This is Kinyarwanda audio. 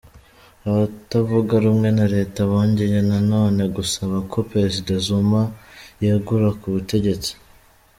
Abatavuga rumwe na leta bongeye na none gusaba ko Perezida Zuma yegura ku butegetsi.